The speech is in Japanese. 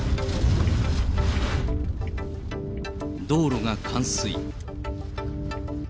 道路が冠水。